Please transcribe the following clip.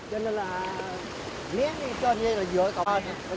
cho nên là miếng đi trên đây là dưới cầu